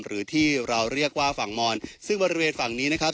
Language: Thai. หรือที่เราเรียกว่าฝั่งมอนซึ่งบริเวณฝั่งนี้นะครับ